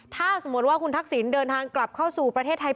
ถ้าสมมติว่าคุณทักษิณเดินทางกลับเข้าสู่ประเทศไทย